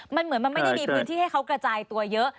มันเหมือนมันไม่ได้มีพื้นที่ให้เขากระจายตัวเยอะ